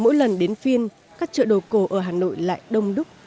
mỗi lần đến phiên các chợ đồ cổ ở hà nội lại đông đúc